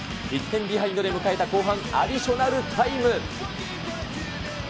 １点ビハインド出迎えた後半アディショナルタイム。